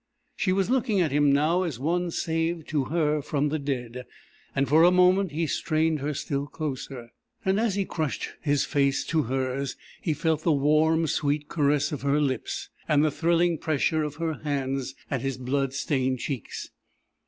She was looking at him now as one saved to her from the dead, and for a moment he strained her still closer, and as he crushed his face to hers he felt the warm, sweet caress of her lips, and the thrilling pressure of her hands, at his blood stained cheeks.